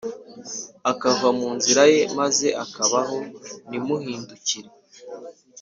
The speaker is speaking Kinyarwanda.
Akava mu nzira ye maze akabaho nimuhindukire